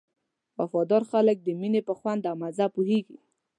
وفاداره خلک د مینې په خوند او مزه پوهېږي.